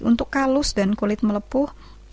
untuk kalus dan kulit melepuh